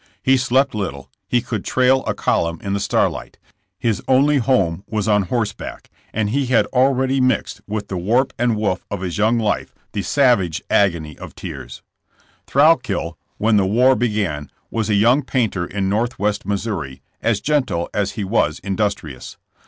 He slept little; he could trail a column in the starlight; his only home was on horseback, and he had already mixed with the warp and woof of his young life the savage agony of tears. Thrailkill, when the war began, was a young painter in Northwest Missouri, as gentle as he was industrious.